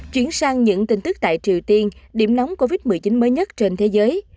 chuyển sang những tin tức tại triều tiên điểm nóng covid một mươi chín mới nhất trên thế giới